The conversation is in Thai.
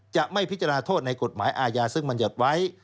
จะไม่พิจารณาโทษในกฎหมายอาญาซึ่งบรรยัติไว้